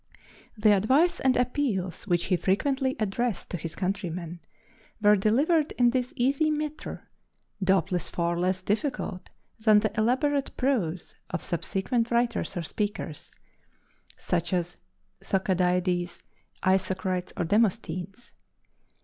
The advice and appeals which he frequently addressed to his countrymen were delivered in this easy metre, doubtless far less difficult than the elaborate prose of subsequent writers or speakers, such as Thucydides, Isocrates, or Demosthenes.